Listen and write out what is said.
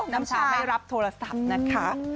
น้ำตาไม่รับโทรศัพท์นะคะ